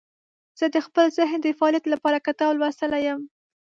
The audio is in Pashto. زه د خپل ذهن د فعالیت لپاره کتاب لوستلی یم.